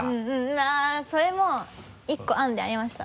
あぁそれも１個案でありました。